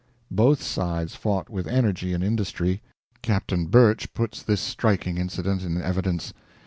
Both sides fought with energy and industry. Captain Birch puts this striking incident in evidence.